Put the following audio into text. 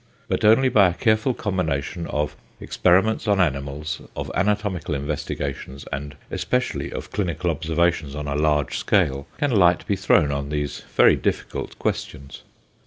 But only by a careful combination of experiments on animals, of anatomical investigations, and especially, of clinical observations on a large scale, can light be thrown on these very difficult questions.